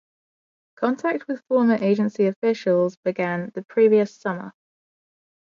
Contact with former agency officials began the previous summer.